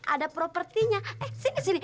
ada propertinya eh sini sini